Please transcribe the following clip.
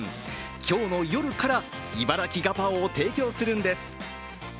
今日の夜から、いばらきガパオを提供するんです。